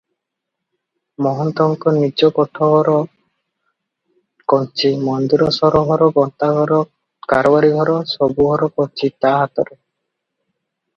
ମହନ୍ତଙ୍କ ନିଜ କୋଠଘର କଞ୍ଚି, ମନ୍ଦିର ସରଘର, ଗନ୍ତାଘର, କାରବାରୀ ଘର, ସବୁଘର କଞ୍ଚି ତା ହାତରେ ।